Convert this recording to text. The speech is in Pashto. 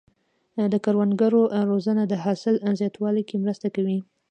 د کروندګرو روزنه د حاصل زیاتوالي کې مرسته کوي.